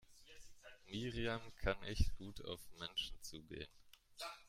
Miriam kann echt gut auf Menschen zugehen.